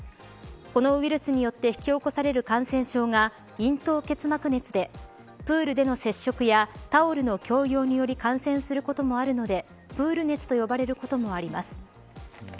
このウイルスによって引き起こされる感染症が咽頭結膜熱でプールでの接触やタオルの共用により感染することもあるのでプール熱と呼ばれることもあります。